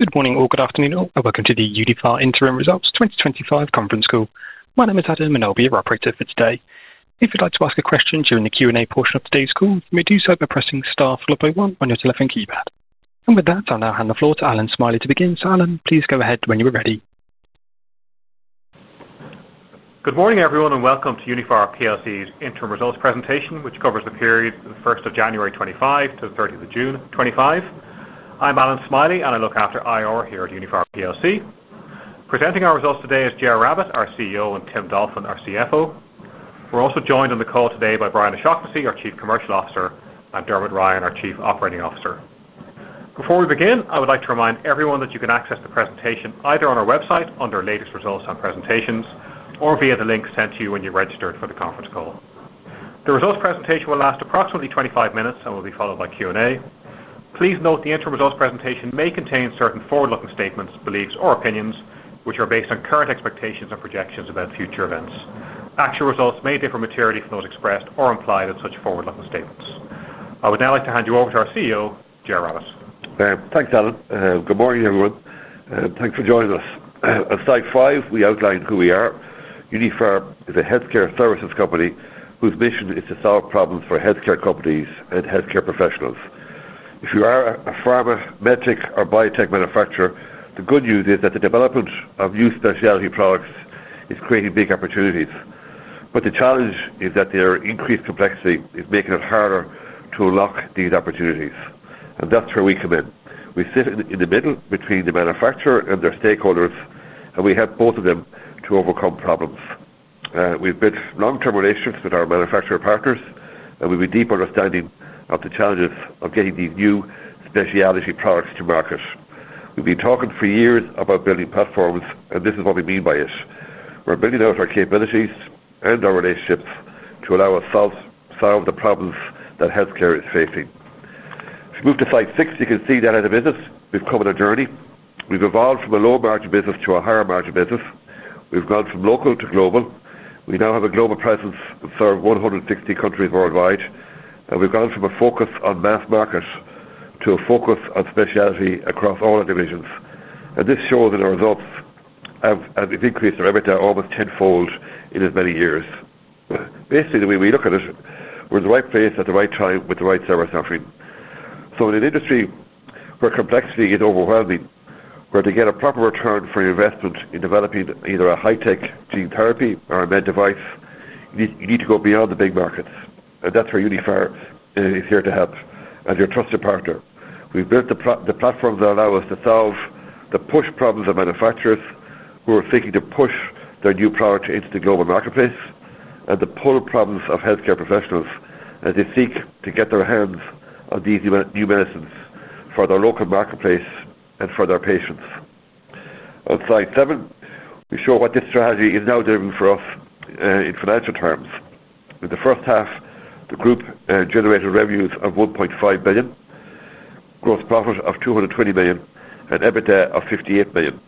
Good morning or good afternoon, or welcome to the Uniphar Interim Results 2025 Conference Call. My name is Adam, and I'll be your operator for today. If you'd like to ask a question during the Q&A portion of today's call, you may do so by pressing star followed by one on your telephone keypad. With that, I'll now hand the floor to Allan Smylie to begin. Allan, please go ahead when you're ready. Good morning, everyone, and welcome to Uniphar plc's interim results presentation, which covers the periods of 1 st of January 2025 to 30th of June 2025. I'm Allan Smylie, and I look after IR here at Uniphar plc. Presenting our results today is Ger Rabbette, our CEO, and Tim Dolphin, our CFO. We're also joined on the call today by Brian O'Shaughnessy, our Chief Commercial Officer, and Dermot Ryan, our Chief Operating Officer. Before we begin, I would like to remind everyone that you can access the presentation either on our website under Latest Results and Presentations or via the link sent to you when you registered for the conference call. The results presentation will last approximately 25 minutes and will be followed by Q&A. Please note the interim results presentation may contain certain forward-looking statements, beliefs, or opinions which are based on current expectations and projections about future events. Actual results may differ materially from those expressed or implied in such forward-looking statements. I would now like to hand you over to our CEO, Ger Rabbette. Thanks, Allan. Good morning, everyone. Thanks for joining us. At slide five, we outline who we are. Uniphar is a healthcare services company whose mission is to solve problems for healthcare companies and healthcare professionals. If you are a pharma, medtech, or biotech manufacturer, the good news is that the development of new specialty products is creating big opportunities. The challenge is that their increased complexity is making it harder to unlock these opportunities. That's where we come in. We sit in the middle between the manufacturer and their stakeholders, and we help both of them to overcome problems. We've built long-term relations with our manufacturer partners, and we have a deep understanding of the challenges of getting these new specialty products to market. We've been talking for years about building platforms, and this is what we mean by it. We're building out our capabilities and our relationships to allow us to solve the problems that healthcare is facing. If you move to slide six, you can see that as a business, we've come on a journey. We've evolved from a low-margin business to a higher-margin business. We've gone from local to global. We now have a global presence of 160 countries worldwide. We've gone from a focus on mass markets to a focus on specialty across all our divisions. This shows that our results have increased their EBITDA almost tenfold in as many years. Basically, the way we look at it, we're in the right place at the right time with the right service offering. In an industry where complexity is overwhelming, where to get a proper return for your investment in developing either a high-tech gene therapy or a med device, you need to go beyond the big markets. That's where Uniphar is here to help as your trusted partner. We've built the platforms that allow us to solve the push problems of manufacturers who are seeking to push their new product into the global marketplace and the pull-up problems of healthcare professionals as they seek to get their hands on these new medicines for the local marketplace and for their patients. On slide seven, we show what this strategy is now doing for us in financial terms. In the first half, the group generated revenues of 1.5 billion, gross profit of 220 million, and EBITDA of 58 million.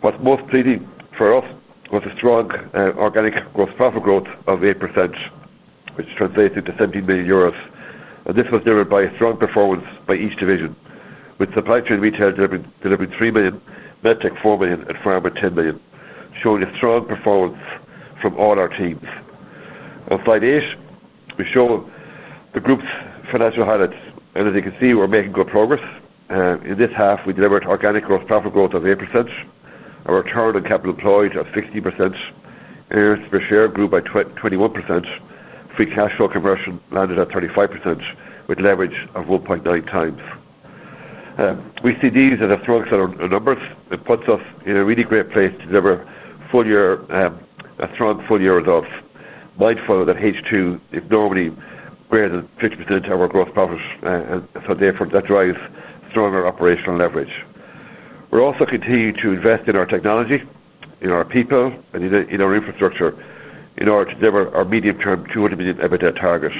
What's most pleasing for us was the strong organic gross profit growth of 8%, which translates into 17 million euros. This was driven by a strong performance by each division, with Supply Chain & Retail delivering 3 million, Medtech 4 million, and Pharma 10 million, showing a strong performance from all our teams. On slide eight, we show the group's financial highlights. As you can see, we're making good progress. In this half, we delivered organic gross profit growth of 8%, a return on capital employed of 16%, earnings per share grew by 21%, free cash flow conversion landed at 35%, with an average of 1.9x. We see these as a strong set of numbers and it puts us in a really great place to deliver strong full year results, mindful that H2 is normally greater than 50% of our gross profits. Therefore, that drives stronger operational leverage. We're also continuing to invest in our technology, in our people, and in our infrastructure in order to deliver our medium-term 200 million EBITDA target.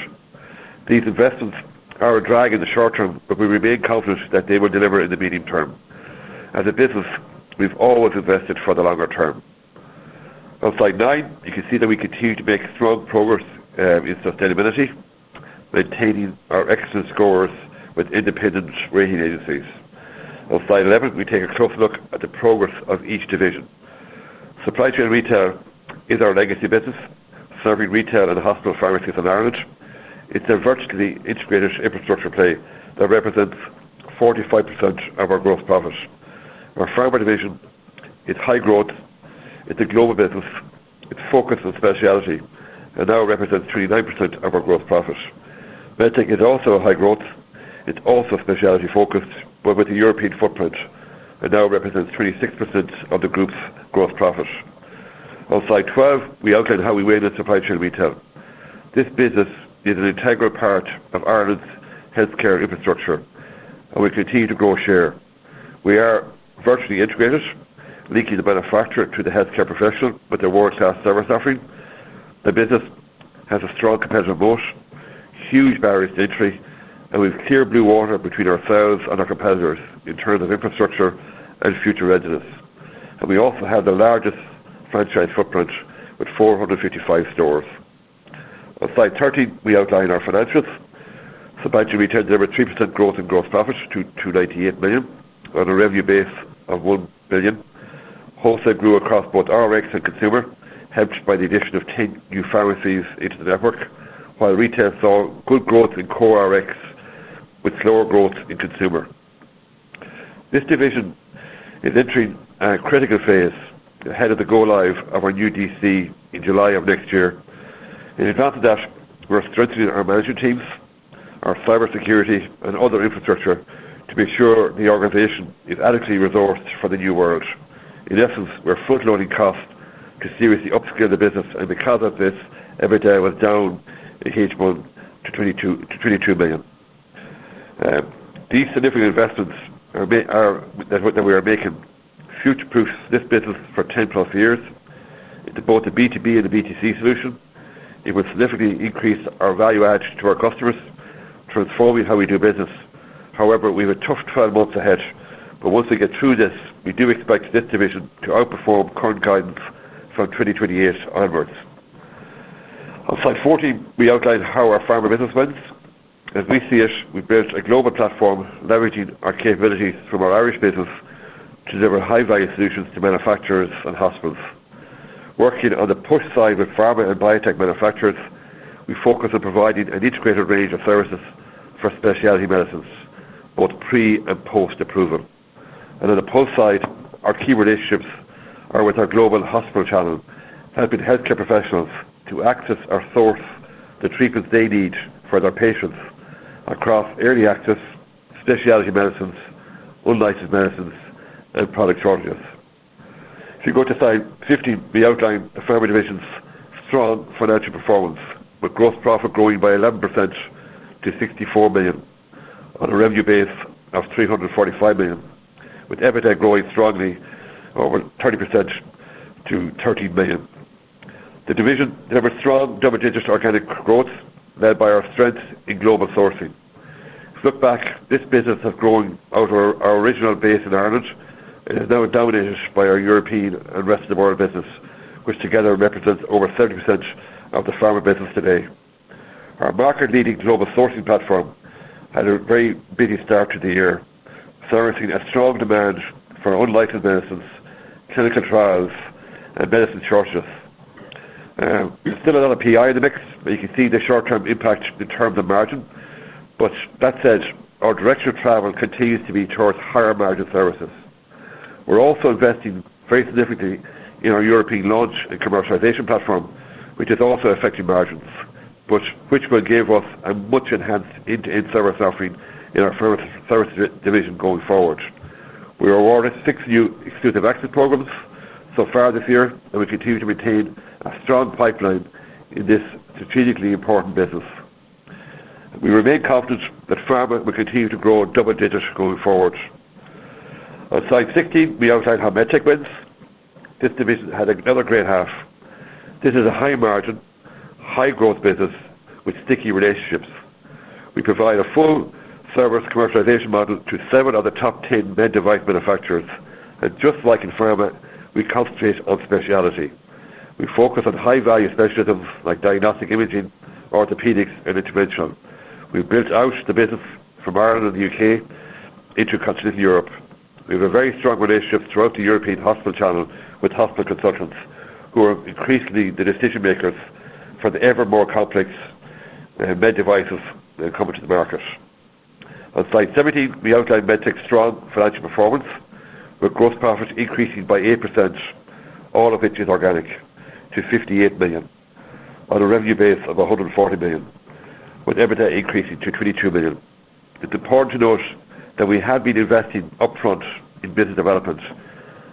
These investments are a drag in the short term, but we remain confident that they will deliver in the medium term. As a business, we've always invested for the longer term. On slide nine, you can see that we continue to make strong progress in sustainability, maintaining our excellent scores with independent rating agencies. On slide 11, we take a close look at the progress of each Supply Chain & Retail is our legacy business, serving retail and hospital pharmacies in Ireland. It's a virtually integrated infrastructure play that represents 45% of our gross profits. Our Pharma division is high growth. It's a global business. It's focused on specialty and now represents 29% of our gross profits. Medtech is also high growth. It's also specialty focused, but with a European footprint and now represents 26% of the group's gross profits. On slide 12, we outline how we win in Supply Chain & Retail. This business is an integral part of Ireland's healthcare infrastructure, and we continue to grow share. We are virtually integrated, linking the manufacturer to the healthcare professional with the world-class service offering. The business has a strong competitive moat, huge barriers to entry, and we have clear blue water between ourselves and our competitors in terms of infrastructure and future readiness. We also have the largest franchise footprint with 455 stores. On slide 13, we outline our Supply Chain & Retail delivered 3% growth in gross profits to 298 million on a revenue base of 1 billion. Wholesale grew across both Rx and consumer, helped by the addition of 10 new pharmacies into the network, while retail saw good growth in core Rx with slower growth in consumer. This division is entering a critical phase ahead of the go-live of our new DC in July of next year. In advance of that, we're strengthening our management teams, our cybersecurity, and other infrastructure to make sure the organization is adequately resourced for the new world. In essence, we're footnoting costs to seriously upskill the business, and because of this, EBITDA was down a huge amount to EUR 22 million. These significant investments that we are making future-proof this business for 10+ years. It's both a B2B and a B2C solution. It will significantly increase our value add to our customers, transforming how we do business. However, we have a tough 12 months ahead, but once we get through this, we do expect this division to outperform current guidance from 2028 onwards. On slide 14, we outline how our pharma business wins. As we see it, we built a global platform leveraging our capabilities from our Irish business to deliver high-value solutions to manufacturers and hospitals. Working on the push side with pharma and biotech manufacturers, we focus on providing an integrated range of services for specialty medicines, both pre and post-approval. On the post side, our key relationships are with our global hospital channel, helping healthcare professionals to access or source the treatments they need for their patients across early access, specialty medicines, unlicensed medicines, and product shortages. If you go to slide 15, we outline the Pharma division's strong financial performance, with gross profit growing by 11% to 64 million on a revenue base of 345 million, with EBITDA growing strongly over 30% to 30 million. The division delivered strong double-digit organic growth led by our strength in global sourcing. If you look back, this business has grown out of our original base in Ireland and is now dominated by our European and rest of the world business, which together represents over [30%] of the pharma business today. Our market-leading global sourcing platform had a very busy start to the year, servicing a strong demand for unlicensed medicines, clinical trials, and medicine shortages. We've still another PI in the mix, but you can see the short-term impact in terms of margin. That said, our direction of travel continues to be towards higher margin services. We're also investing very significantly in our European launch and commercialization platform, which is also affecting margins, but which will give us a much enhanced end-to-end service offering in our Pharma division going forward. We are awarded six new exclusive access programs so far this year, and we continue to maintain a strong pipeline in this strategically important business. We remain confident that Pharma will continue to grow double-digit going forward. On slide 16, we outline how Medtech wins. This division had another great half. This is a high margin, high-growth business with sticky relationships. We provide a full service commercialization model to seven of the top 10 med device manufacturers. Just like in Pharma, we concentrate on specialty. We focus on high-value specialisms like diagnostic imaging, orthopedics, and intervention. We've built out the business from Ireland and the U.K. into continents in Europe. We have a very strong relationship throughout the European hospital channel with hospital consultants who are increasingly the decision makers for the ever more complex med devices that come into the market. On slide 17, we outline Medtech's strong financial performance, with gross profits increasing by 8%, all of which is organic, to 58 million on a revenue base of 140 million, with EBITDA increasing to 22 million. It's important to note that we have been investing upfront in business development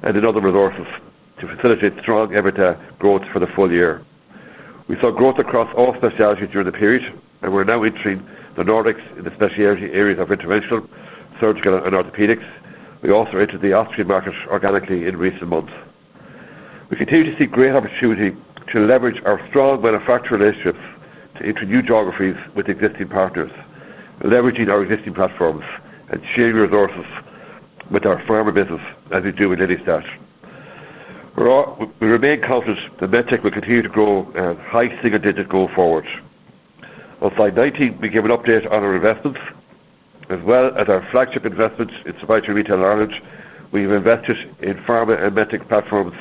and in other resources to facilitate strong EBITDA growth for the full year. We saw growth across all specialties during the period, and we're now entering the Nordics in the specialty areas of interventional, surgical, and orthopedics. We also entered the Austrian market organically in recent months. We continue to see great opportunity to leverage our strong manufacturer relationships to enter new geographies with existing partners, leveraging our existing platforms and sharing resources with our pharma business as we do with any staff. We remain confident that Medtech will continue to grow at a high single-digit goal forward. On slide 19, we give an update on our investments. As well as our flagship investments in Supply Chain+ Retail in Ireland, we've invested in Pharma and Medtech platforms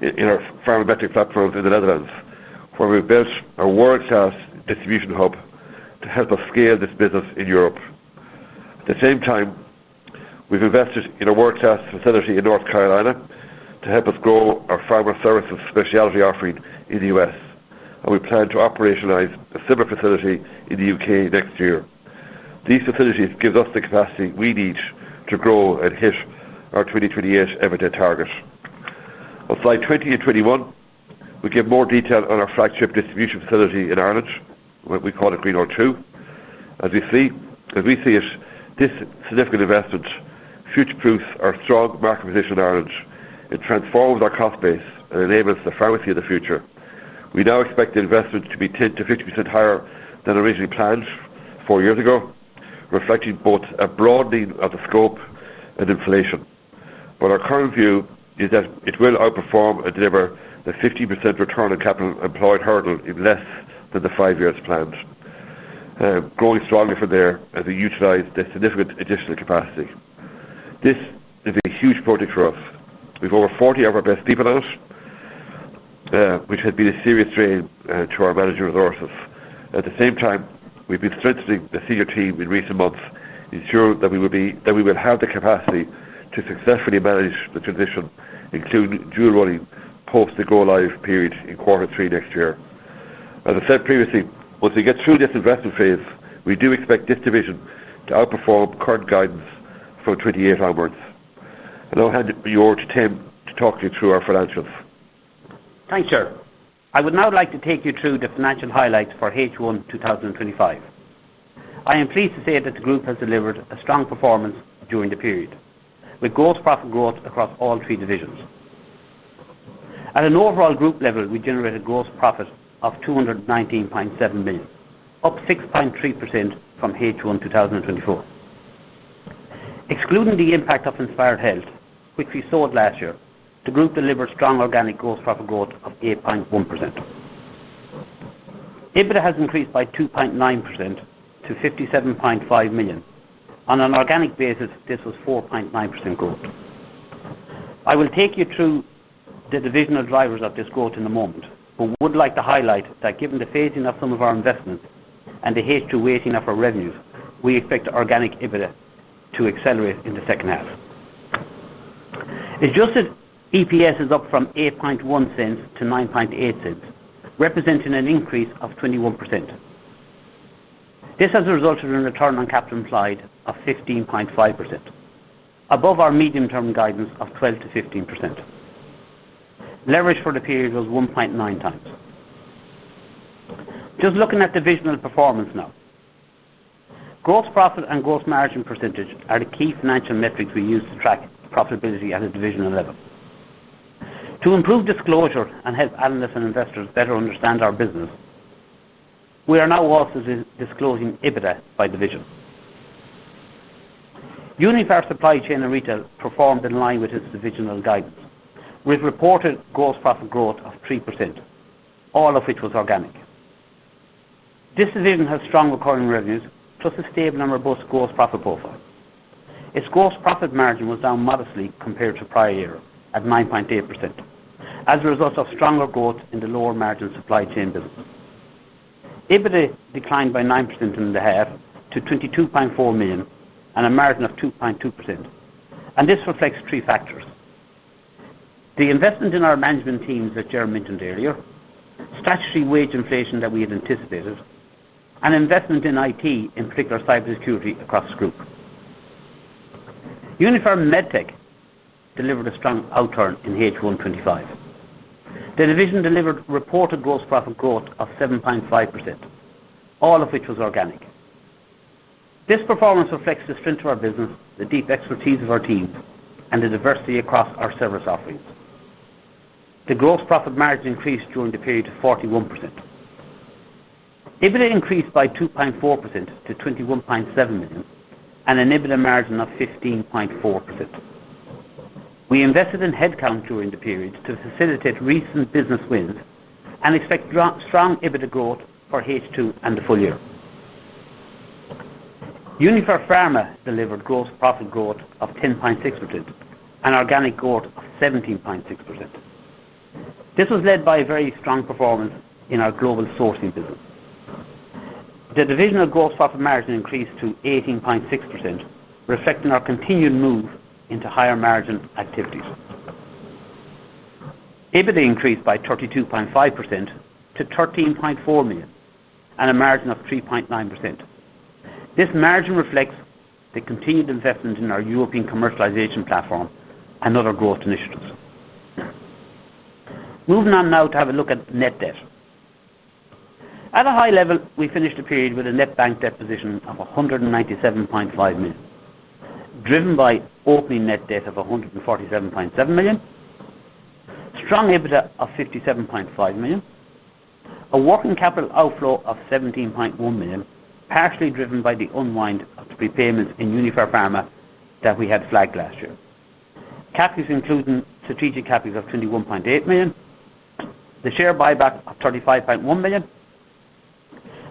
in the Netherlands, where we've built a world-class distribution hub to help us scale this business in Europe. At the same time, we've invested in a world-class facility in North Carolina to help us grow our pharma services specialty offering in the U.S. We plan to operationalize a similar facility in the U.K. next year. These facilities give us the capacity we need to grow and hit our 2020-ish EBITDA target. On slide 20 and 21, we give more detail on our flagship distribution facility in Ireland. We call it Greenouge 2. As we see it, this significant investment future-proofs our strong market position in Ireland. It transforms our cost base and enables the pharmacy of the future. We now expect the investment to be 10%-1 5% higher than originally planned four years ago, reflecting both a broadening of the scope and inflation. Our current view is that it will outperform and deliver a 15% return on capital employed hurdle in less than the five years planned, growing strongly from there as we utilize this significant additional capacity. This is a huge project for us. We've over 40 of our best people out, which has been a serious drain to our managing resources. At the same time, we've been strengthening the senior team in recent months to ensure that we will have the capacity to successfully manage the transition, including dual running post the go-live period in quarter three next year. As I said previously, once we get through this investment phase, we do expect this division to outperform current guidance from 2028 onwards. I'll hand it over to Tim to talk you through our financials. Thank you, sir. I would now like to take you through the financial highlights for H1 2025. I am pleased to say that the group has delivered a strong performance during the period, with gross profit growth across all three divisions. At an overall group level, we generated a gross profit of 219.7 million, up 6.3% from H1 2024. Excluding the impact of Inspired Health, which we saw last year, the group delivered strong organic gross profit growth of 8.1%. EBITDA has increased by 2.9% to 57.5 million. On an organic basis, this was 4.9% growth. I will take you through the divisional drivers of this growth in a moment, but would like to highlight that given the phasing of some of our investments and the H2 weighting of our revenues, we expect organic EBITDA to accelerate in the second half. Adjusted EPS is up from 0.081 to 0.098, representing an increase of 21%. This has resulted in a return on capital employed of 15.5%, above our medium-term guidance of 12%- 15%. Leverage for the period was 1.9x. Just looking at divisional performance now, gross profit and gross margin percentage are the key financial metrics we use to track profitability at a divisional level. To improve disclosure and help analysts and investors better understand our business, we are now also disclosing EBITDA by division. Uniphar Supply Chain & Retail performed in line with its divisional guidance, with reported gross profit growth of 3%, all of which was organic. This division has strong recurring revenues, plus a stable and robust gross profit profile. Its gross profit margin was down modestly compared to prior year at 9.8% as a result of stronger growth in the lower margin supply chain business. EBITDA declined by 9% in the half to 22.4 million and a margin of 2.2%. This reflects three factors: the investment in our management teams that Ger mentioned earlier, statutory wage inflation that we had anticipated, and investment in IT, in particular cybersecurity across the group. Uniphar Medtech delivered a strong outturn in H1 2025. The division delivered a reported gross profit growth of 7.5%, all of which was organic. This performance reflects the strength of our business, the deep expertise of our team, and the diversity across our service offerings. The gross profit margin increased during the period to 41%. EBITDA increased by 2.4% to 21.7 million and an EBITDA margin of 15.4%. We invested in headcount during the period to facilitate recent business wins and expect strong EBITDA growth for H2 and the full year. Uniphar delivered gross profit growth of 10.6% and organic growth of 17.6%. This was led by a very strong performance in our global sourcing business. The divisional gross profit margin increased to 18.6%, reflecting our continued move into higher margin activities. EBITDA increased by 32.5% to 13.4 million and a margin of 3.9%. This margin reflects the continued investment in our European commercialization platform and other growth initiatives. Moving on now to have a look at net debt. At a high level, we finished the period with a net bank debt position of 197.5 million, driven by opening net debt of 147.7 million, strong EBITDA of 57.5 million, a working capital outflow of 17.1 million, partially driven by the unwind to prepayments in Uniphar Pharma that we had flagged last year. Capital, including strategic capital of 21.8 million, the share buyback of 35.1 million,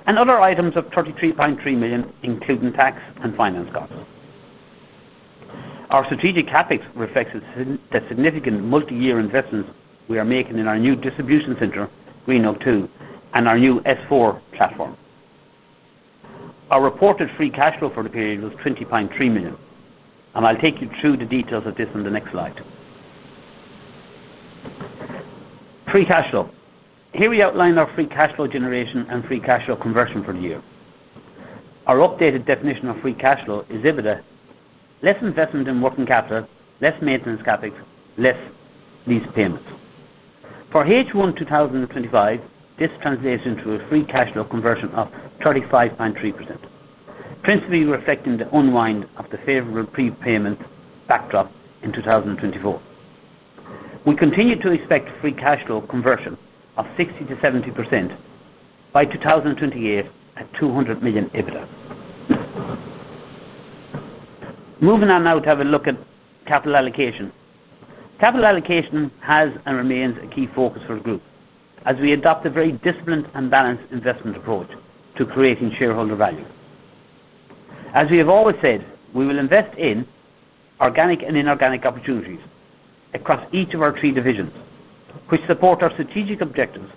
and other items of 33.3 million, including tax and finance costs. Our strategic CapEx reflects the significant multi-year investments we are making in our new distribution center, Greenouge 2, and our new S/4 platform. Our reported free cash flow for the period was 20.3 million, and I'll take you through the details of this on the next slide. Free cash flow. Here we outline our free cash flow generation and free cash flow conversion for the year. Our updated definition of free cash flow is EBITDA, less investment in working capital, less maintenance CapEx, less lease payments. For H1 2025, this translates into a free cash flow conversion of 35.3%, principally reflecting the unwind of the favorable prepayments backdrop in 2024. We continue to expect free cash flow conversion of 60%- 70% by 2028 at 200 million EBITDA. Moving on now to have a look at capital allocation. Capital allocation has and remains a key focus for the group as we adopt a very disciplined and balanced investment approach to creating shareholder value. As we have always said, we will invest in organic and inorganic opportunities across each of our three divisions, which support our strategic objectives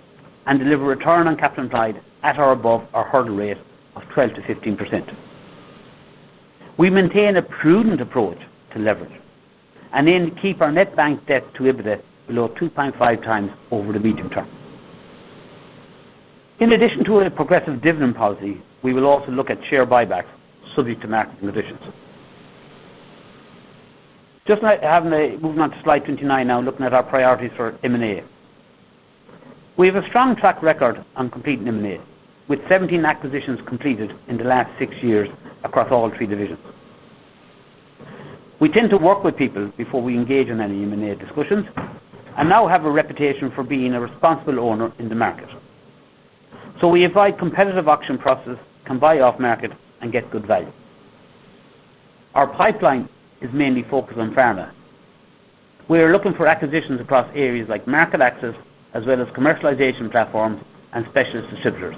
and deliver return on capital employed at or above our hurdle rate of 12%-1 5%. We maintain a prudent approach to leverage and aim to keep our net bank debt to EBITDA below 2.5x over the medium term. In addition to a progressive dividend policy, we will also look at share buybacks subject to market conditions. Just like having a movement to slide 29 now, looking at our priorities for M&A, we have a strong track record on completing M&A, with 17 acquisitions completed in the last six years across all three divisions. We tend to work with people before we engage in any M&A discussions and now have a reputation for being a responsible owner in the market. We avoid competitive auction processes, can buy off market, and get good value. Our pipeline is mainly focused on Pharma. We are looking for acquisitions across areas like market access, as well as commercialization platforms and specialist distributors.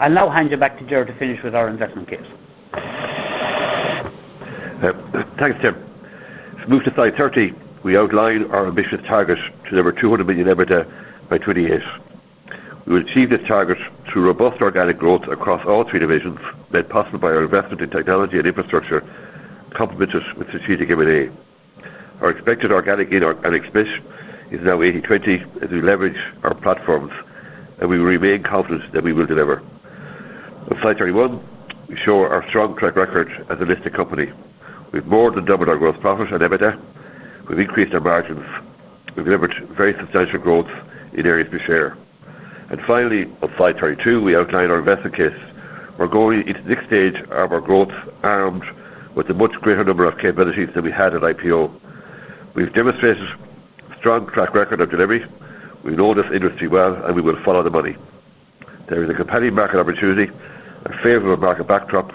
I'll now hand you back to Ger to finish with our investment case. Thanks, Tim. If we move to slide 30, we outline our ambitious targets to deliver 200 million EBITDA by [2026]. We will achieve this target through robust organic growth across all three divisions, led possibly by our investment in technology and infrastructure, complemented with strategic M&A. Our expected organic gain on express is now 80/20 as we leverage our platforms, and we remain confident that we will deliver. On slide 31, we show our strong track record as a listed company. We've more than doubled our gross profits and EBITDA, we've increased our margins. We've delivered very substantial growth in areas we share. Finally, on slide 32, we outline our investment case. We're going into the next stage of our growth, armed with a much greater number of capabilities than we had at IPO. We've demonstrated a strong track record of delivery. We know this industry well, and we will follow the money. There is a competitive market opportunity, a favorable market backdrop,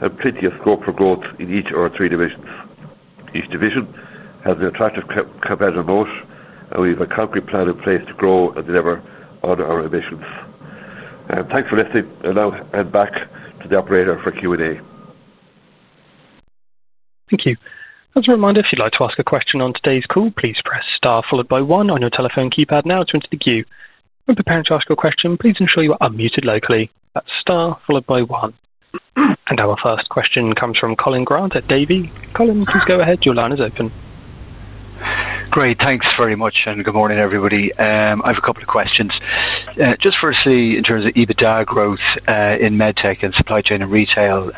and plenty of scope for growth in each of our three divisions. Each division has an attractive competitive moat, and we have a concrete plan in place to grow and deliver on our ambitions. Thanks for listening, and I'll hand back to the operator for Q&A. Thank you. As a reminder, if you'd like to ask a question on today's call, please press star followed by one on your telephone keypad now to enter the queue. When preparing to ask a question, please ensure you are unmuted locally at star followed by one. Our first question comes from Colin Grant at Davy. Colin, please go ahead. Your line is open. Great, thanks very much, and good morning, everybody. I have a couple of questions. Firstly, in terms of EBITDA growth in Medtech and Supply Chain & Retail,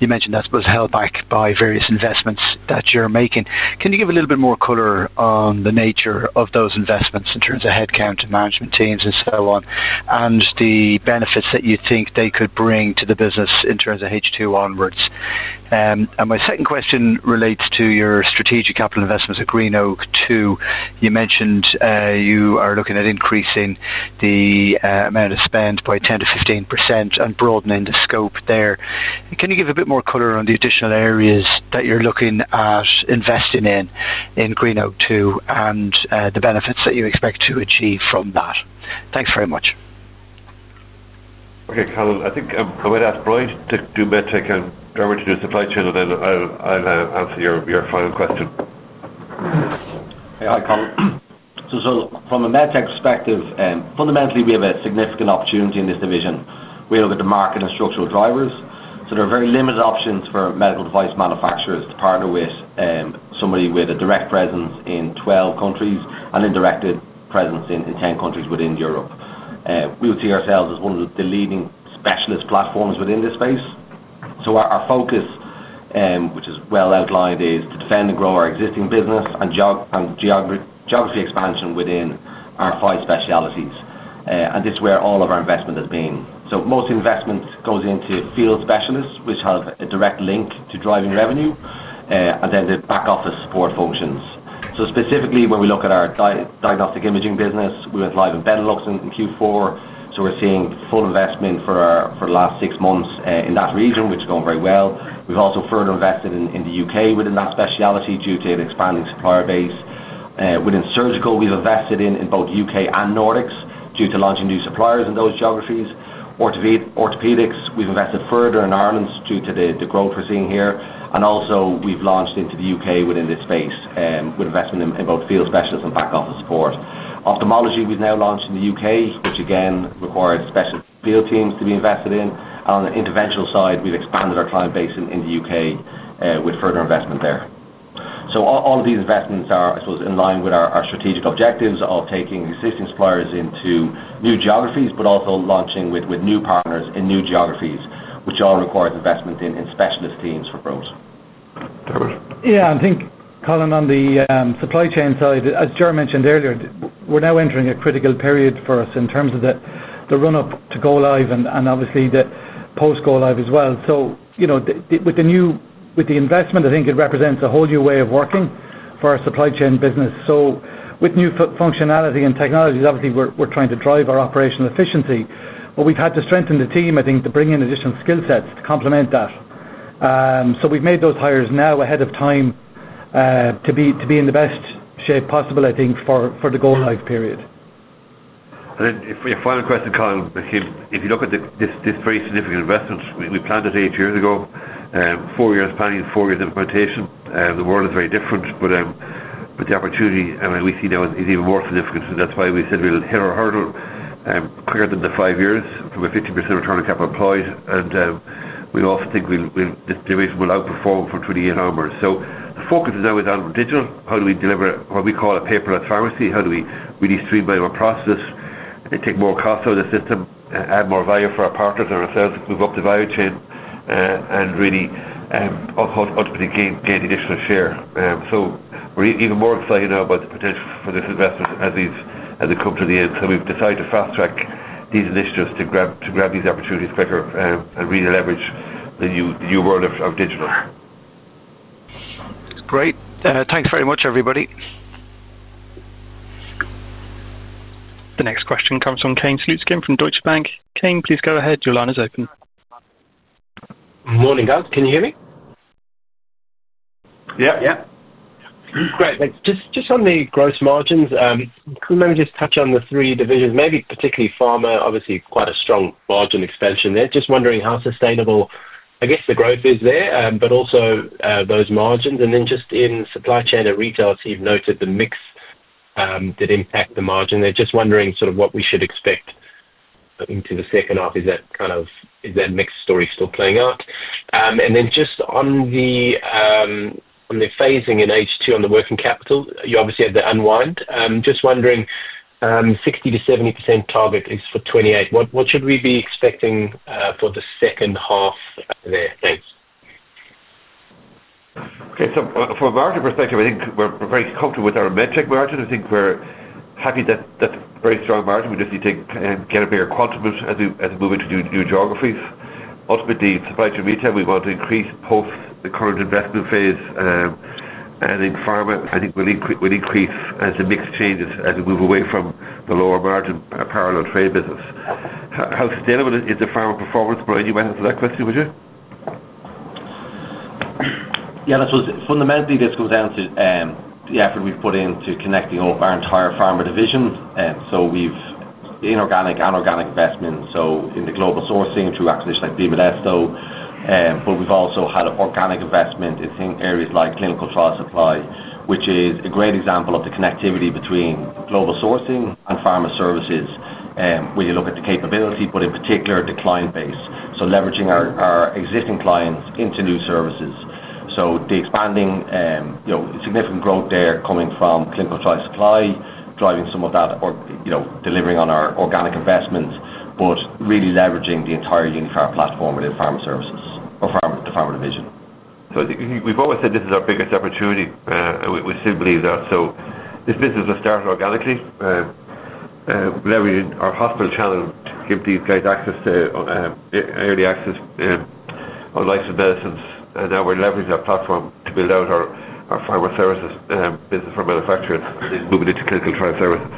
you mentioned that was held back by various investments that you're making. Can you give a little bit more color on the nature of those investments in terms of headcount and management teams and so on, and the benefits that you think they could bring to the business in terms of H2 onwards? My second question relates to your strategic capital investments at Greenouge 2. You mentioned you are looking at increasing the amount of spend by 10% - 15% and broadening the scope there. Can you give a bit more color on the additional areas that you're looking at investing in in Greenouge 2 and the benefits that you expect to achieve from that? Thanks very much. Okay, Colin, I think I'm going to ask Brian to do Medtech and go over to the Supply Chain, and then I'll answer your final question. Hi, Colin. From a Medtech perspective, fundamentally, we have a significant opportunity in this division. We look at the market and structural drivers. There are very limited options for medical device manufacturers to partner with somebody with a direct presence in 12 countries and a direct presence in 10 countries within Europe. We would see ourselves as one of the leading specialist platforms within this space. Our focus, which is well outlined, is to defend and grow our existing business and geography expansion within our five specialties. This is where all of our investment has been. Most investment goes into field specialists, which have a direct link to driving revenue, and then the back office support functions. Specifically, when we look at our diagnostic imaging business, we went live in Benelux in Q4. We're seeing full investment for the last six months in that region, which is going very well. We've also further invested in the U.K. within that specialty due to an expanding supplier base. Within surgical, we've invested in both U.K. and Nordics due to launching new suppliers in those geographies. Orthopedics, we've invested further in Ireland due to the growth we're seeing here. We've launched into the U.K. within this space with investment in both field specialists and back office support. Ophthalmology, we've now launched in the U.K., which again requires special field teams to be invested in. On the interventional side, we've expanded our client base in the U.K. with further investment there. All of these investments are in line with our strategic objectives of taking existing suppliers into new geographies, but also launching with new partners in new geographies, which all require investment in specialist teams for growth. Yeah, I think, Colin, on the supply chain side, as Ger mentioned earlier, we're now entering a critical period for us in terms of the run-up to go-live and obviously the post-go-live as well. With the new investment, I think it represents a whole new way of working for our supply chain business. With new functionality and technologies, obviously, we're trying to drive our operational efficiency. We've had to strengthen the team, I think, to bring in additional skill sets to complement that. We've made those hires now ahead of time to be in the best shape possible, I think, for the go-live period. If you look at this very significant investment, we planned it eight years ago, four years planning, four years implementation. The world is very different, but the opportunity we see now is even more significant. That's why we said we'll hit our hurdle quicker than the five years from a 50% return on capital employed. We also think this division will outperform for 2028 onwards. The focus is now with our digital. How do we deliver what we call a paperless pharmacy? How do we really streamline our process, take more costs out of the system, add more value for our partners and ourselves, move up the value chain, and really ultimately gain additional share? We're even more excited now about the potential for this investment as it comes to the end. We've decided to fast-track these initiatives to grab these opportunities quicker and really leverage the new world of digital. Great. Thanks very much, everybody. The next question comes from Kane Slutzkin from Deutsche Bank. Kane, please go ahead. Your line is open. Morning, guys. Can you hear me? Yeah, yeah. Great, thanks. Just on the gross margins, can you maybe just touch on the three divisions, maybe particularly Pharma, obviously quite a strong margin expansion there. Just wondering how sustainable, I guess, the growth is there, but also those margins. In Supply Chain & Retail, I've noted the mix did impact the margin. Just wondering sort of what we should expect into the second half. Is that kind of, is that mix story still playing out? Just on the phasing in H2 on the working capital, you obviously had the unwind. Just wondering, 60%- 70% target is for 2028. What should we be expecting for the second half there? Thanks. Okay, from a margin perspective, I think we're very comfortable with our metric margin. I think we're happy that that's a very strong margin. We just need to get a bigger quantum as we move into new geographies. Supply Chain & Retail, we want to increase post the current investment phase. In Pharma, I think we'll increase as the mix changes as we move away from the lower margin parallel trade business. How sustainable is the Pharma performance? By any way, answer that question, would you? Yeah, that's what fundamentally this comes down to. The effort we've put in to connecting up our entire Pharma division. We've inorganic and organic investment in the global sourcing through acquisitions like BModesto. We've also had organic investment in areas like clinical trial supply, which is a great example of the connectivity between global sourcing and pharma services, where you look at the capability, but in particular the client base. Leveraging our existing clients into new services, the expanding, you know, significant growth there coming from clinical trial supply, driving some of that, or delivering on our organic investments, really leveraging the entire Uniphar platform within Pharma services or the Pharma division. We have always said this is our biggest opportunity. We still believe that. This business was started organically. Leveraging our hospital channel gave these guys access to early access unlicensed medicines. Now we are leveraging our platform to build out our Pharma services business for manufacturers moving into clinical trial services.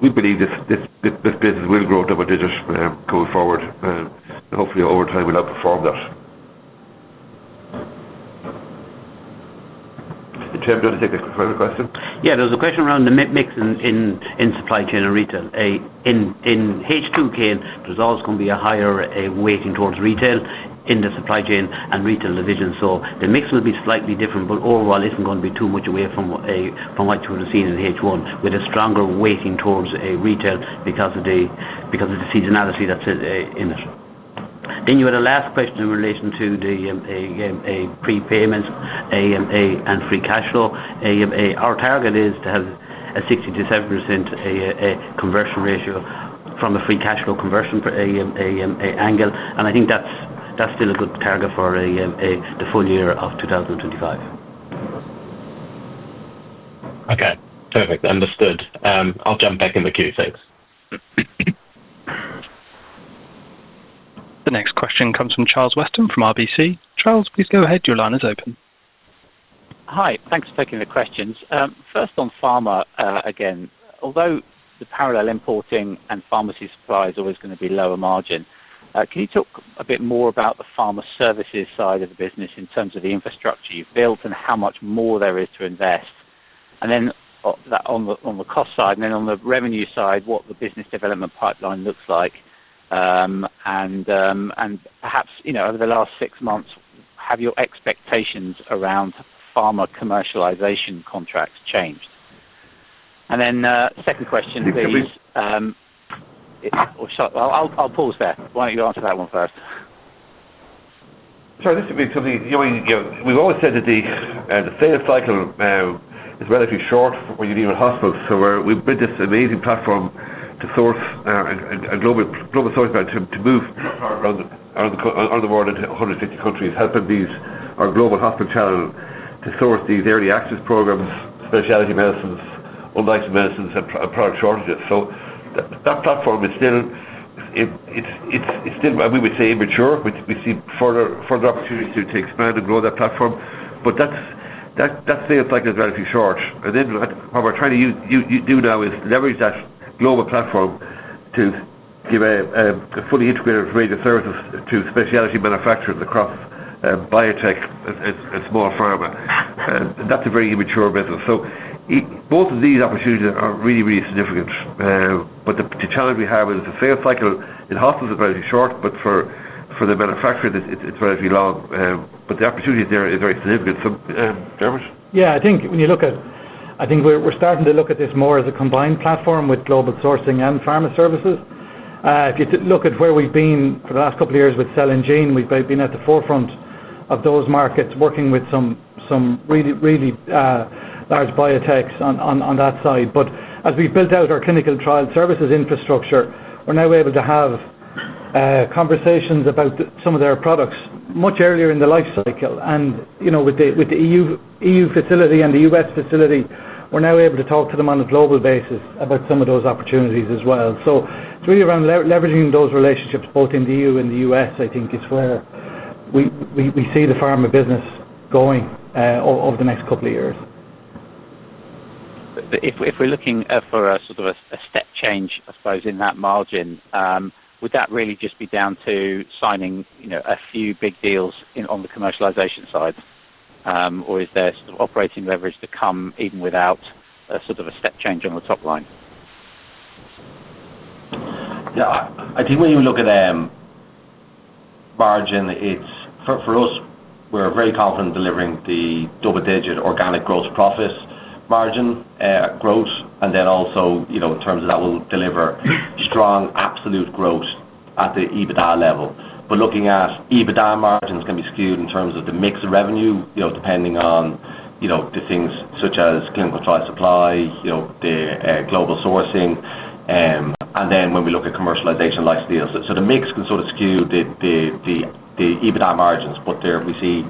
We believe this business will grow double-digit going forward and, hopefully, over time, we will outperform that. Tim, do you want to take a further question? Yeah, there's a question around the mix in Supply Chain & Retail. In [H2], there's always going to be a higher weighting towards retail in the Supply Chain & Retail division. The mix will be slightly different, but overall, it isn't going to be too much away from what you would have seen in H1 with a stronger weighting towards retail because of the seasonality that's in it. You had a last question in relation to the prepayments and free cash flow. Our target is to have a 60%- 70% conversion ratio from a free cash flow conversion angle. I think that's still a good target for the full year of 2025. Okay, perfect. Understood. I'll jump back in the queue, thanks. The next question comes from Charles Weston from RBC. Charles, please go ahead. Your line is open. Hi, thanks for taking the questions. First on Pharma again, although the parallel importing and pharmacy supply is always going to be lower margin, can you talk a bit more about the pharma services side of the business in terms of the infrastructure you've built and how much more there is to invest? On the cost side, and on the revenue side, what the business development pipeline looks like. Perhaps, over the last six months, have your expectations around pharma commercialization contracts changed? Second question, please. I'll pause there. Why don't you answer that one first? Sure, this would be something you'll need. We've always said that the phase cycle is relatively short when you deal with hospitals. We've built this amazing platform to source a global source to move around the world in 150 countries, helping our global hospital channel to source these early access programs, specialty medicines, unlicensed medicines, and product shortages. That platform is still, we would say, immature. We see further opportunities to expand and grow that platform. That phase cycle is relatively short. What we're trying to do now is leverage that global platform to give a fully integrated range of services to specialty manufacturers across biotech and small pharma. That's a very immature business. Both of these opportunities are really, really significant. The challenge we have is the sales cycle in hospitals is relatively short, but for the manufacturers, it's relatively long. The opportunity there is very significant. I think when you look at, I think we're starting to look at this more as a combined platform with global sourcing and pharma services. If you look at where we've been for the last couple of years with Cell and Gene, we've been at the forefront of those markets, working with some really, really large biotechs on that side. As we've built out our clinical trial supply infrastructure, we're now able to have conversations about some of their products much earlier in the lifecycle. With the EU facility and the U.S. facility, we're now able to talk to them on a global basis about some of those opportunities as well. Really around leveraging those relationships, both in the EU and the U.S., I think is where we see the pharma business going over the next couple of years. If we're looking for a sort of a step change, I suppose, in that margin, would that really just be down to signing a few big deals on the commercialization side? Or is there sort of operating leverage to come even without a sort of a step change on the top line? Yeah, I think when you look at the margin, it's for us, we're very confident delivering the double-digit organic gross profit margin growth. Also, in terms of that, it will deliver strong absolute growth at the EBITDA level. Looking at EBITDA margins can be skewed in terms of the mix of revenue, depending on things such as clinical trial supply, the global sourcing. When we look at commercialization like sales, the mix can sort of skew the EBITDA margins, but we see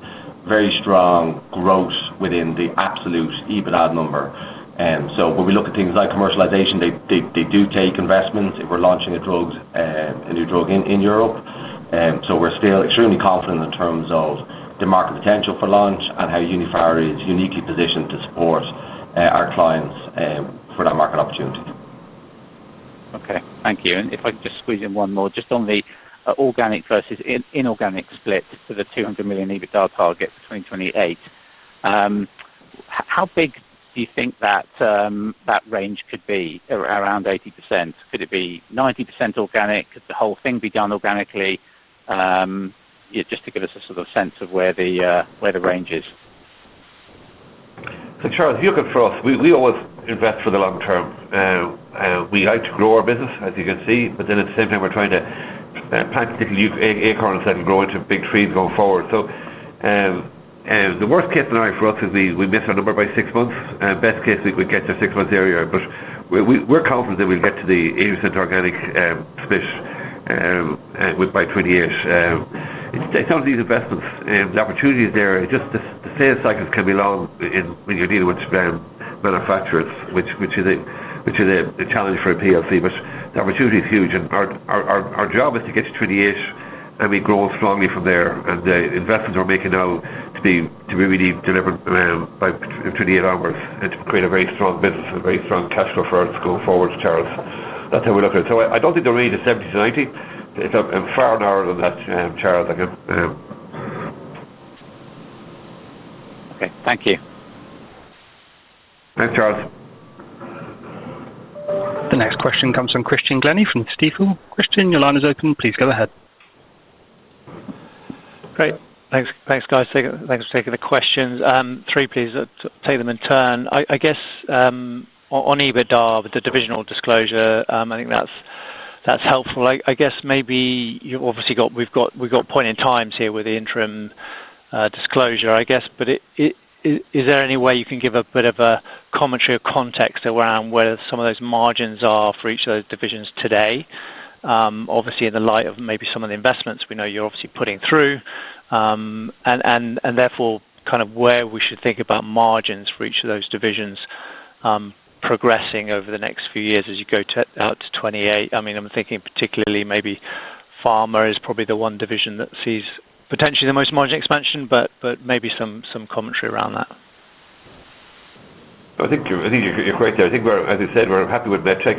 very strong growth within the absolute EBITDA number. When we look at things like commercialization, they do take investments if we're launching a new drug in Europe. We're still extremely confident in terms of the market potential for launch and how Uniphar is uniquely positioned to support our clients for that market opportunity. Okay, thank you. If I could just squeeze in one more, just on the organic versus inorganic split for the 200 million EBITDA target for 2028. How big do you think that range could be around 80%? Could it be 90% organic? Could the whole thing be done organically? Yeah, just to give us a sort of sense of where the range is. Charles, if you look across, we always invest for the long term. We like to grow our business, as you can see, but at the same time, we're trying to practically take acorns and grow into big trees going forward. The worst case scenario for us is we miss our number by six months. Best case we could get to six months earlier, but we're confident that we'll get to the 80% organic space by [2020-ish]. It's on these investments. The opportunity is there. It's just the sales cycles can be long when you're dealing with manufacturers, which is a challenge for a PLC. The opportunity is huge, and our job is to get to [2020-ish] and be growing strongly from there. The investments we're making now to be really delivered by 2028 are to create a very strong business and a very strong cash flow for us going forward, Charles. That's how we look at it. I don't think the range is 70%- 90%. It's far narrower than that, Charles. Okay, thank you. Thanks, Charles. The next question comes from Christian Glennie from Stifel. Christian, your line is open. Please go ahead. Great, thanks, thanks guys. Thanks for taking the questions. Three, please take them in turn. I guess on EBITDA with the divisional disclosure, I think that's helpful. I guess maybe you've obviously got, we've got point in times here with the interim disclosure, I guess. Is there any way you can give a bit of a commentary or context around where some of those margins are for each of those divisions today? Obviously, in the light of maybe some of the investments we know you're obviously putting through. Therefore, kind of where we should think about margins for each of those divisions progressing over the next few years as you go out to 2028. I mean, I'm thinking particularly maybe Pharma is probably the one division that sees potentially the most margin expansion, but maybe some commentary around that. I think you're correct there. I think we're, as I said, we're happy with Medtech.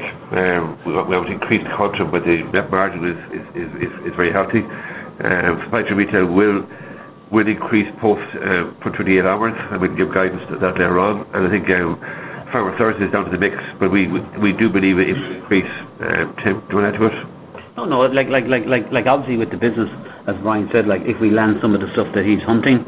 We have increased content, but the net margin is very Supply Chain & Retail will increase post for 2028 onwards, and we can give guidance to that later on. I think Pharma services is down to the mix, but we do believe it will increase. Tim, do you want to add to it? No, like obviously with the business, as Ryan said, like if we land some of the stuff that he's hunting,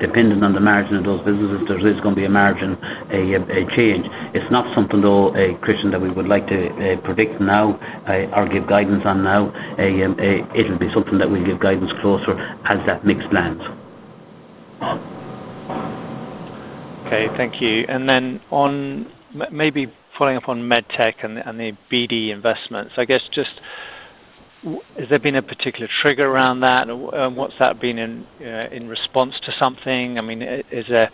depending on the margin of those businesses, there is going to be a margin, a change. It's not something though, Christian, that we would like to predict now or give guidance on now. It'll be something that we'll give guidance closer as that mix lands. Thank you. On maybe following up on Medtech and the BD investments, has there been a particular trigger around that? What's that been in response to? Is there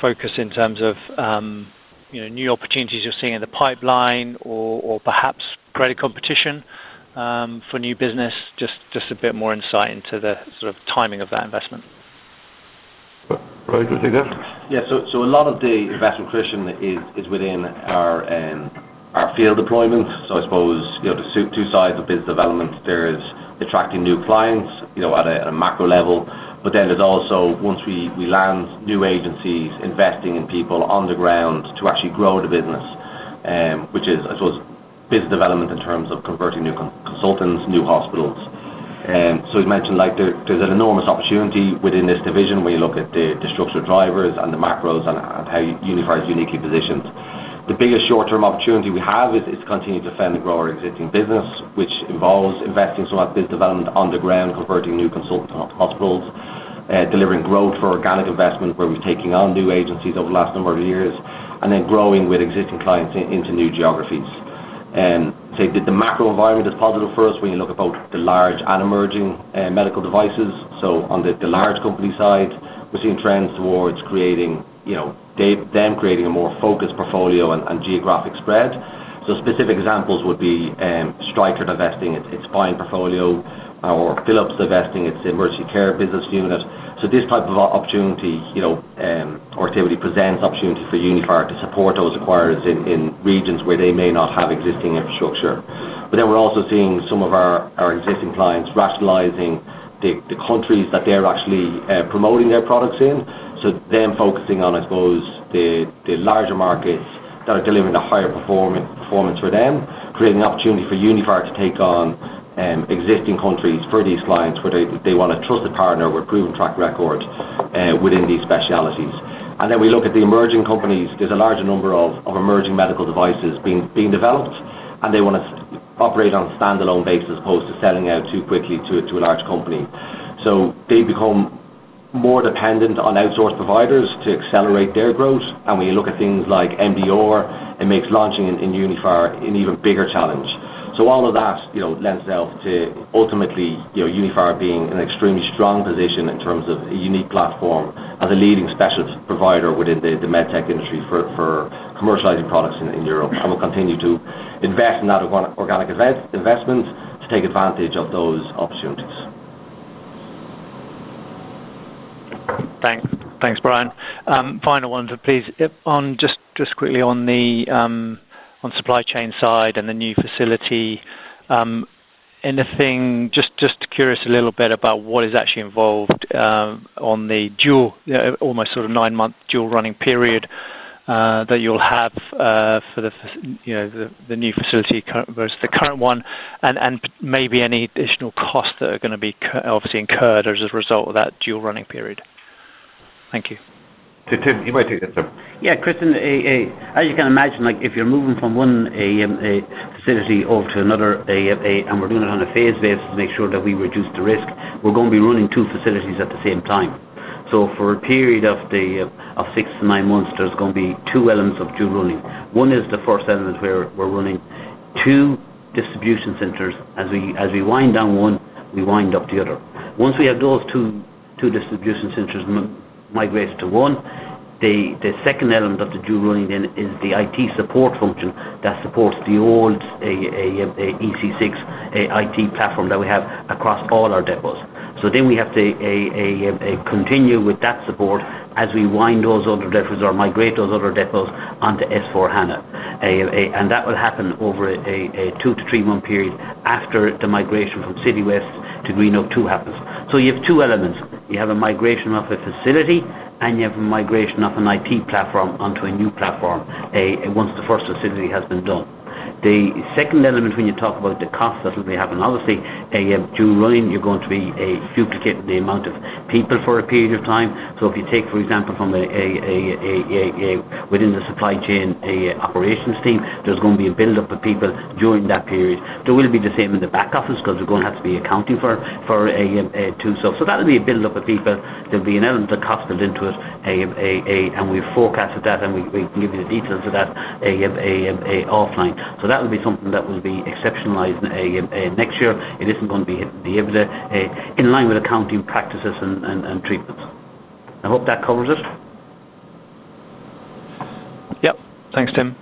focus in terms of new opportunities you're seeing in the pipeline or perhaps greater competition for new business? Just a bit more insight into the sort of timing of that investment. Yeah, so a lot of the investment, Christian, is within our field deployment. I suppose the two sides of business development, there is attracting new clients at a macro level, but then it's also, once we land new agencies, investing in people on the ground to actually grow the business, which is, I suppose, business development in terms of converting new consultants, new hospitals. You mentioned there's an enormous opportunity within this division when you look at the structural drivers and the macros and how Uniphar is uniquely positioned. The biggest short-term opportunity we have is continuing to defend and grow our existing business, which involves investing some of that business development on the ground, converting new consultants, hospitals, delivering growth for organic investment where we're taking on new agencies over the last number of years, and then growing with existing clients into new geographies. The macro environment is positive for us when you look at the large and emerging medical devices. On the large company side, we're seeing trends towards them creating a more focused portfolio and geographic spread. Specific examples would be Stryker divesting its spine portfolio or Philips divesting its emergency care business unit. This type of activity presents opportunity for Uniphar to support those acquired in regions where they may not have existing infrastructure. We're also seeing some of our existing clients rationalizing the countries that they're actually promoting their products in, focusing on, I suppose, the larger markets that are delivering a higher performance for them, creating an opportunity for Uniphar to take on existing countries for these clients where they want to trust the partner with proven track record within these specialties. When we look at the emerging companies, there's a larger number of emerging medical devices being developed, and they want to operate on a standalone basis as opposed to selling out too quickly to a large company. They become more dependent on outsourced providers to accelerate their growth. When you look at things like MDR, it makes launching in Uniphar an even bigger challenge. All of that lends itself to ultimately Uniphar being in an extremely strong position in terms of a unique platform as a leading specialist provider within the medtech industry for commercializing products in Europe. We'll continue to invest in that organic investment to take advantage of those opportunities. Thanks, Brian. Final one, please. Just quickly on the Supply Chain side and the new facility, anything? Just curious a little bit about what is actually involved on the dual, almost sort of nine-month dual running period that you'll have for the new facility versus the current one, and maybe any additional costs that are going to be obviously incurred as a result of that dual running period. Thank you. Tim, you might take this one. Yeah, Christian, as you can imagine, if you're moving from one facility over to another, and we're doing it on a phased basis to make sure that we reduce the risk, we're going to be running two facilities at the same time. For a period of six to nine months, there's going to be two elements of dual running. One is the first element where we're running two distribution centers. As we wind down one, we wind up the other. Once we have those two distribution centers migrated to one, the second element of the dual running is the IT support function that supports the old EC6 IT platform that we have across all our depots. We have to continue with that support as we wind those other depots or migrate those other depots onto S/4 HANA. That will happen over a two to three-month period after the migration from Citywest to Greenogue 2 happens. You have two elements. You have a migration of a facility, and you have a migration of an IT platform onto a new platform once the first facility has been done. The second element, when you talk about the costs that will be happening, obviously, with dual running, you're going to be duplicating the amount of people for a period of time. If you take, for example, from within the supply chain operations team, there's going to be a build-up of people during that period. There will be the same in the back office because we're going to have to be accounting for a dual staff. That'll be a build-up of people. There'll be an element of cost built into it, and we've forecasted that, and we can give you the details of that offline. That will be something that will be exceptionalized next year. It isn't going to be able to be in line with accounting practices and treatments. I hope that covers it. Yep, thanks, Tim.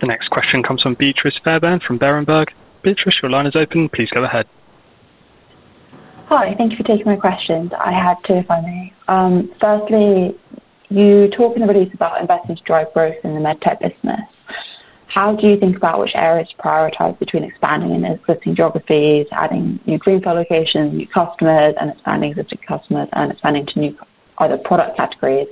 The next question comes from Beatrice Fairbairn from Berenberg. Beatrice, your line is open. Please go ahead. Hi, thank you for taking my question. I had two, if I may. Firstly, you talk in the release about investing to drive growth in the Medtech business. How do you think about which areas to prioritize between expanding in existing geographies, adding new [Greenogue 2 ] locations, new customers, expanding existing customers, and expanding to new either product categories?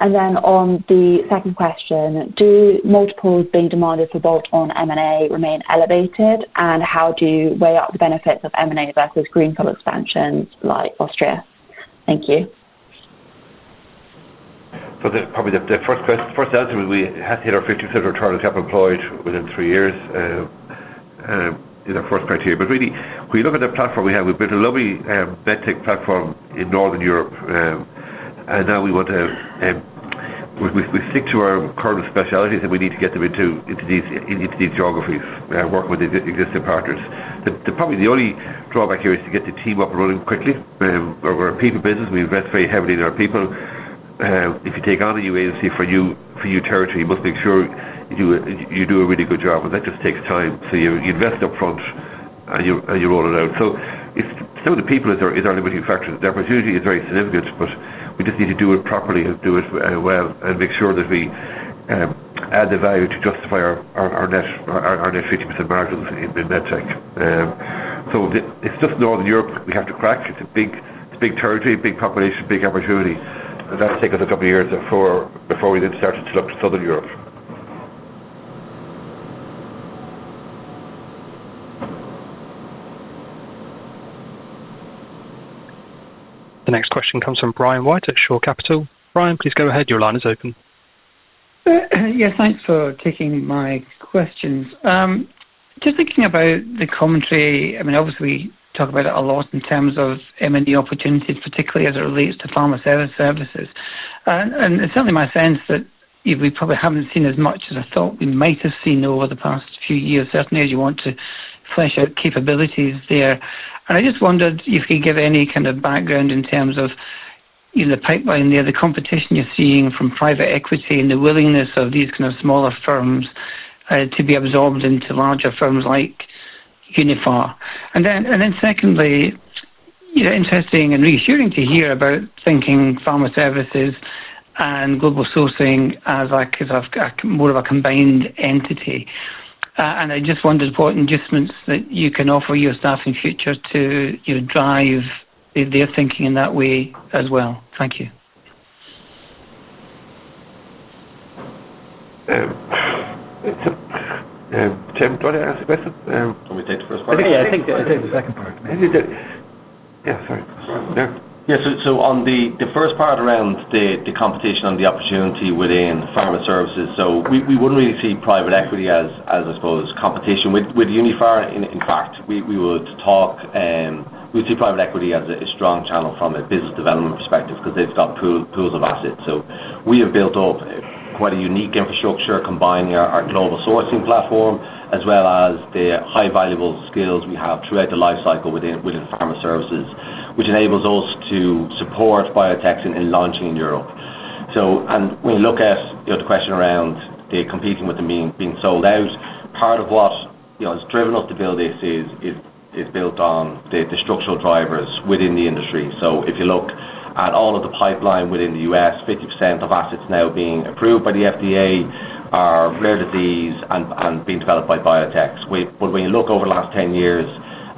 On the second question, do multiples being demanded for bolt-on M&A remain elevated, and how do you weigh up the benefits of M&A versus [Greenouge] expansions like Austria? Thank you. We have here a 50% return on capital employed within three years in the first criteria. If we look at the platform we have, we've built a lovely medtech platform in Northern Europe. We want to stick to our current specialties, and we need to get them into these geographies working with existing partners. The only drawback here is to get the team up and running quickly. We're a people business. We invest very heavily in our people. If you take on a new agency for a new territory, you must make sure you do a really good job, and that just takes time. You invest upfront, and you roll it out. Some of the people are our limiting factors. The opportunity is very significant, but we just need to do it properly and do it well and make sure that we add the value to justify our net 50% margins in Medtech. It's just Northern Europe we have to crack. It's a big territory, big population, big opportunity. That's taken a couple of years before we then started to look at Southern Europe. The next question comes from Brian White at Shore Capital. Brian, please go ahead. Your line is open. Yeah, thanks for taking my questions. Just thinking about the commentary, I mean, obviously, we talk about it a lot in terms of M&A opportunities, particularly as it relates to pharmaceutical services. It's certainly my sense that we probably haven't seen as much as I thought we might have seen over the past few years. Certainly, as you want to flesh out capabilities there. I just wondered if you could give any kind of background in terms of the pipeline there, the competition you're seeing from private equity and the willingness of these kind of smaller firms to be absorbed into larger firms like Uniphar. Secondly, interesting and reassuring to hear about thinking pharma services and global sourcing as more of a combined entity. I just wondered what adjustments that you can offer your staff in the future to drive their thinking in that way as well. Thank you. Tim, do you want to ask the question, or me take the first part? Yeah, I think I take the second part. Yeah, sorry. Yeah. Yeah, on the first part around the competition and the opportunity within pharma services, we wouldn't really see private equity as, I suppose, competition with Uniphar. In fact, we would say we see private equity as a strong channel from a business development perspective because they've got pools of assets. We have built up quite a unique infrastructure combining our global sourcing platform as well as the high valuable skills we have throughout the lifecycle within pharma services, which enables us to support biotechs in launching in Europe. When we look at the question around competing with the being sold out, part of what has driven us to build this is built on the structural drivers within the industry. If you look at all of the pipeline within the U.S., 50% of assets now being approved by the FDA are rare disease and being developed by biotechs. When you look over the last 10 years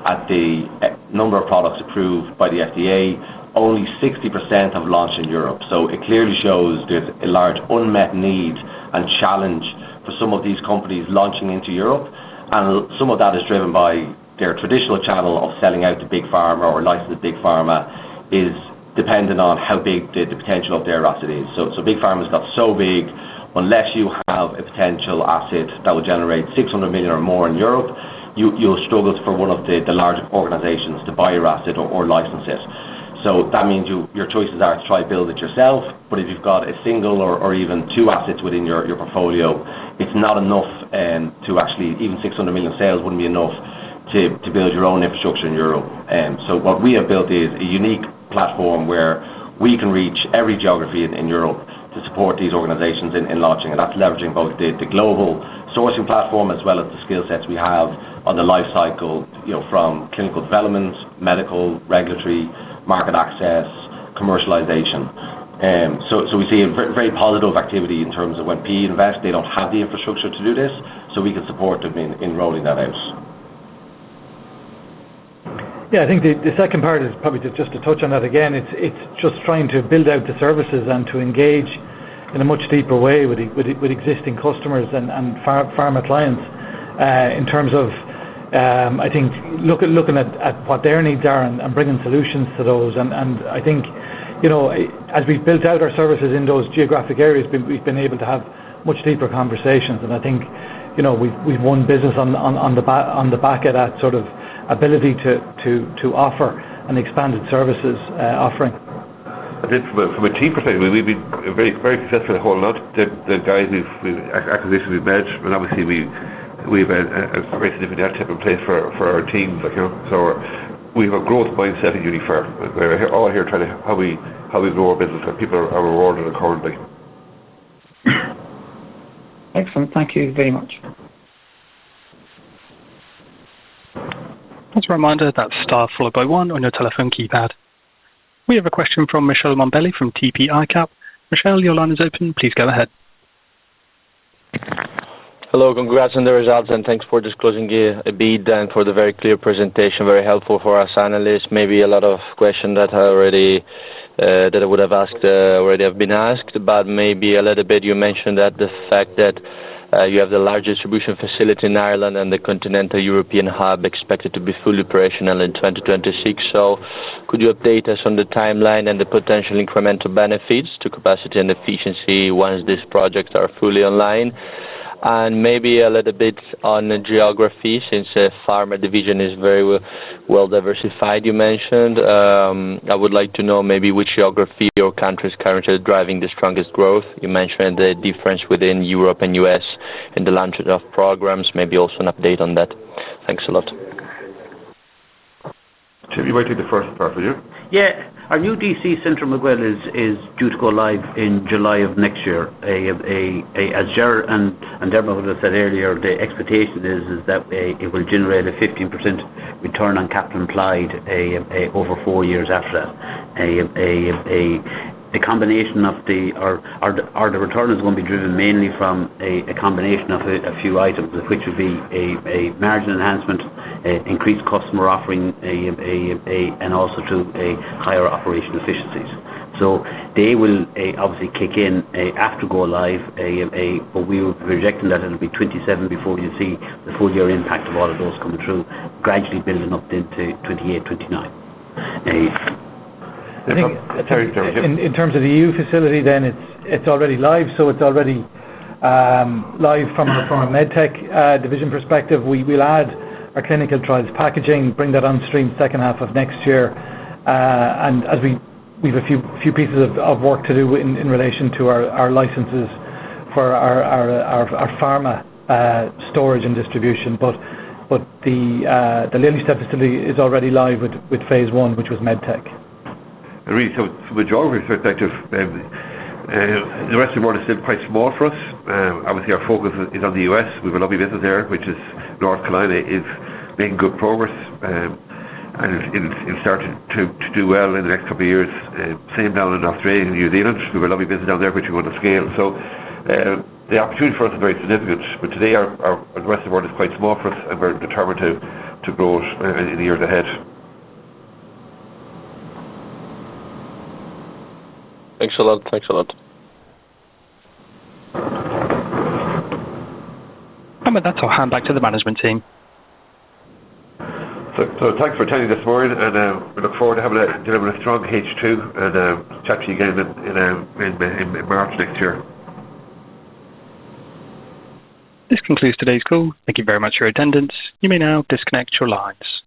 at the number of products approved by the FDA, only 60% have launched in Europe. It clearly shows there's a large unmet need and challenge for some of these companies launching into Europe. Some of that is driven by their traditional channel of selling out to big pharma or licensing to big pharma, which is dependent on how big the potential of their asset is. Big pharma's got so big, unless you have a potential asset that would generate 600 million or more in Europe, you'll struggle for one of the large organizations to buy your asset or license it. That means your choices are to try to build it yourself, but if you've got a single or even two assets within your portfolio, it's not enough to actually, even 600 million sales wouldn't be enough to build your own infrastructure in Europe. What we have built is a unique platform where we can reach every geography in Europe to support these organizations in launching. That's leveraging both the global sourcing platform as well as the skill sets we have on the lifecycle, from clinical developments, medical, regulatory, market access, commercialization. We see very positive activity in terms of when PE invests, they don't have the infrastructure to do this, so we can support them in rolling that out. I think the second part is probably just to touch on that again. It's just trying to build out the services and to engage in a much deeper way with existing customers and pharma clients in terms of, I think, looking at what their needs are and bringing solutions to those. I think as we've built out our services in those geographic areas, we've been able to have much deeper conversations. I think we've won business on the back of that sort of ability to offer an expanded services offering. I think from a team perspective, we've been very successful a whole lot. The guys in acquisition management, obviously, we have a very significant health tech in place for our teams. We have a growth mindset at Uniphar. We're all here trying to how we grow our business, and people are rewarded accordingly. Excellent. Thank you very much. Just a reminder that staff will go on your telephone keypad. We have a question from Michele Mombelli from TP ICAP. Michele, your line is open. Please go ahead. Hello, congrats on the results and thanks for disclosing your bid and for the very clear presentation. Very helpful for us analysts. Maybe a lot of questions that I would have asked already have been asked, but maybe a little bit, you mentioned that the fact that you have the large distribution facility in Ireland and the continental European hub expected to be fully operational in 2026. Could you update us on the timeline and the potential incremental benefits to capacity and efficiency once these projects are fully online? Maybe a little bit on geography since the Pharma division is very well diversified, you mentioned. I would like to know maybe which geography or countries currently are driving the strongest growth. You mentioned the difference within Europe and the U.S. in the launch of programs. Maybe also an update on that. Thanks a lot. Tim, you might take the first part, would you? Yeah, our new DC central module is due to go live in July of next year. As Ger and Dermot said earlier, the expectation is that it will generate a 15% return on capital employed over four years after that. The combination of the, or the return is going to be driven mainly from a combination of a few items, which would be a margin enhancement, increased costs more offering, and also to a higher operational efficiencies. They will obviously kick in after going live, but we will be projecting that it'll be 2027 before you see the full-year impact of all of those coming through, gradually building up into 2028, 2029. In terms of the EU facility, it's already live, so it's already live from a Medtech division perspective. We will add our clinical trial supply packaging, bring that on stream second half of next year. We have a few pieces of work to do in relation to our licenses for our pharma storage and distribution. The [Lilly Step] facility is already live with phase I, which was Medtech. Really, from a geography perspective, the rest of the world is still quite small for us. Obviously, our focus is on the U.S. We have a lovely business there, which is in North Carolina, is making good progress and is starting to do well in the next couple of years. The same down in Australia and New Zealand. We have a lovely business down there, which we want to scale. The opportunity for us is very significant. Today, the rest of the world is quite small for us, and we're determined to grow in the years ahead. Thanks a lot. Thanks a lot. With that, I'll hand back to the management team. Thank you for attending this morning. We look forward to having a strong H2 and chatting to you again in March next year. This concludes today's call. Thank you very much for your attendance. You may now disconnect your lines.